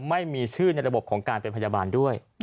ไม่มีชื่อในระบบของการเป็นพยาบาลด้วย